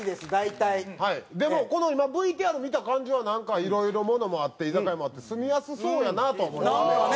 でもこの今ＶＴＲ見た感じはなんかいろいろものもあって居酒屋もあって住みやすそうやなと思いますね。